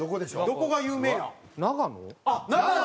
どこが有名なん？